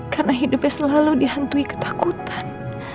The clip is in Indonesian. karena hidupnya selalu dihantui ketakutan